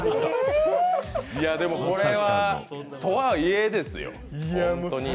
でもこれは、とはいえですよホントに。